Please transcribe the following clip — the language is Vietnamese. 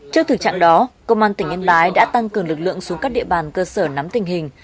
trước thực trạng đó công an tỉnh yên bái đã tăng cường lực lượng xuống các địa bàn cơ sở nắm tình hình